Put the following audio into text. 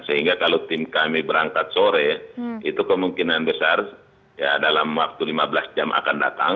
sehingga kalau tim kami berangkat sore itu kemungkinan besar dalam waktu lima belas jam akan datang